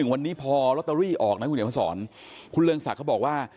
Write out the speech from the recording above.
วันนี้พอลอตเตอรี่ออกนะคุณเดี๋ยวมาสอนคุณเรืองศักดิ์เขาบอกว่า